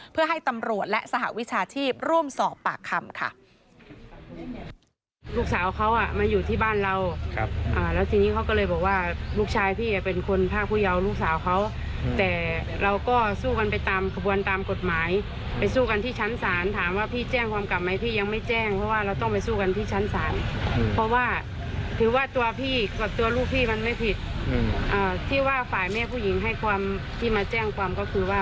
เพื่อให้ตำรวจและสหวิชาชีพร่วมสอบปากคำค่ะ